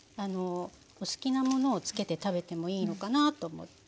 お好きなものを付けて食べてもいいのかなと思って。